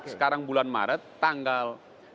sekarang bulan maret tanggal